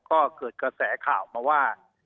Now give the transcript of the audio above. ก็เกิดกระแสข่าวมาว่า